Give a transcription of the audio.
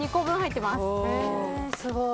えすごい。